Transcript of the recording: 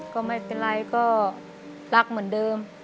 ก็ไม่เป็นไรก็รักเหมือนเดิม